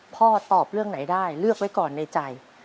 ตอบเรื่องไหนได้เลือกไว้ก่อนในใจ